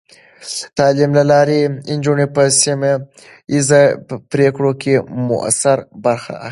د تعلیم له لارې، نجونې په سیمه ایزې پرېکړو کې مؤثره برخه اخلي.